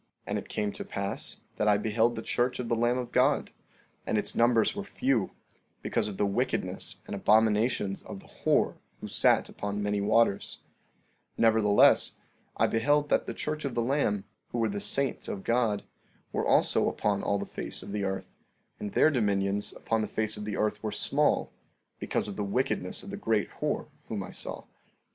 14:12 And it came to pass that I beheld the church of the Lamb of God, and its numbers were few, because of the wickedness and abominations of the whore who sat upon many waters; nevertheless, I beheld that the church of the Lamb, who were the saints of God, were also upon all the face of the earth; and their dominions upon the face of the earth were small, because of the wickedness of the great whore whom I saw.